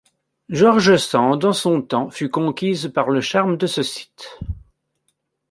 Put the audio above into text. George Sand, en son temps, fut conquise par le charme de ce site.